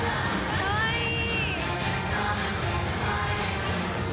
・かわいい！